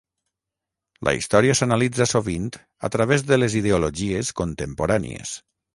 La història s'analitza sovint a través de les ideologies contemporànies.